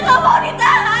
saya enggak mau ditahan